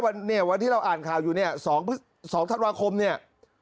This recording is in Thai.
เนี่ยวันที่เราอ่านข่าวอยู่เนี่ย๒ธันวาคมเนี่ย